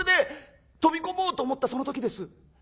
飛び込もうと思ったその時です。